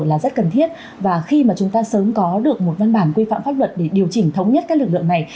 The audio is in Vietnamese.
là rất cần thiết và khi mà chúng ta sớm có được một văn bản quy phạm pháp luật để điều chỉnh thống nhất các lực lượng này